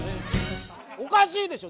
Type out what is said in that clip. おかしいでしょ。